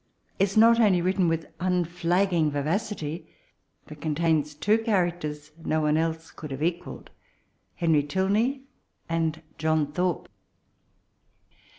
is not only written with unflagging vivacity, but contains two characters no one else could have equalled — Henry . Tilney and John Thorpe.